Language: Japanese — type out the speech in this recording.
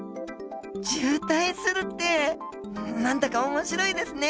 渋滞するって何だか面白いですね。